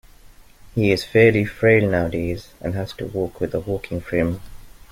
He is fairly frail nowadays, and has to walk with a walking frame